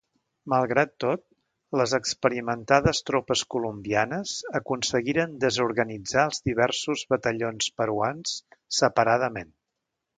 Malgrat tot, les experimentades tropes colombianes aconseguiren desorganitzar els diversos batallons peruans separadament.